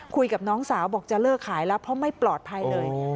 คุยกับน้องสาวบอกจะเลิกขายแล้วเพราะไม่ปลอดภัยเลย